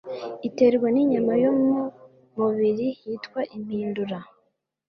iterwa n' inyama yo mu mubiri yitwa impindura